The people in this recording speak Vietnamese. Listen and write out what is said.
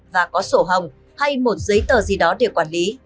và có sổ hồng hay một giấy tờ gì đó để quản lý